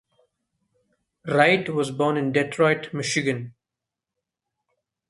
Wright was born in Detroit, Michigan.